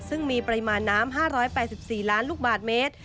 ซึ่งมีปริมาณน้ำ๕๘๔ล้านลูกบาทเมตร